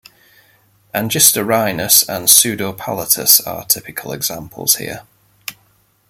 "Angistorhinus" and "Pseudopalatus" are typical examples here.